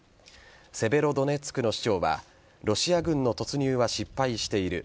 セベロドネツクの市長はロシア軍の突入は失敗している。